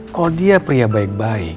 kok dia pria baik baik